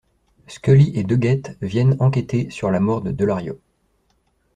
Scully et Doggett viennent enquêter sur la mort de Delario.